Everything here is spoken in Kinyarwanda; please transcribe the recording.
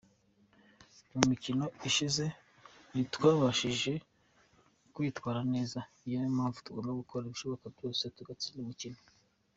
mu mikino ishize ntitwabashije kwitwara neza, niyo mpamvu tugomba gukora ibishoboka byose tugatsinda umukino.